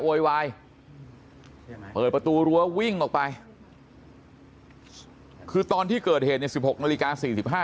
โวยวายเปิดประตูรั้ววิ่งออกไปคือตอนที่เกิดเหตุใน๑๖นาฬิกา๔๕